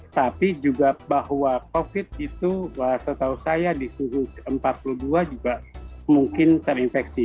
tapi juga bahwa covid itu setahu saya di suhu empat puluh dua juga mungkin terinfeksi